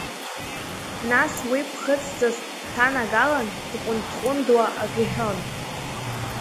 Нас уи ԥхыӡҵас дҭанагалан, дҟәынд-ҟәындуа ак иҳәон.